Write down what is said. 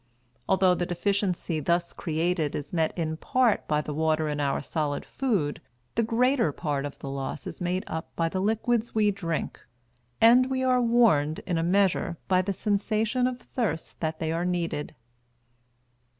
Although the deficiency thus created is met in part by the water in our solid food, the greater part of the loss is made up by the liquids we drink, and we are warned, in a measure, by the sensation of thirst that they are needed.